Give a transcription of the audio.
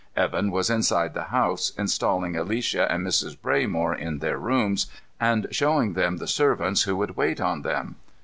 Evan was inside the house, installing Alicia and Mrs. Braymore in their rooms, and showing them the servants who would wait on them.